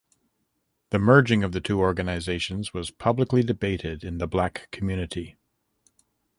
The merging of the two organizations was publicly debated in the black community.